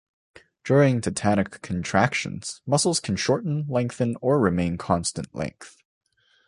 During tetanic contractions, muscles can shorten, lengthen or remain constant length.